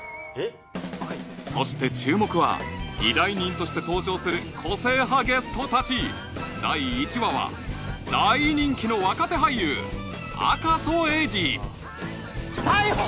そして注目は依頼人として登場する個性派ゲスト達第１話は大人気の若手俳優赤楚衛二逮捕！？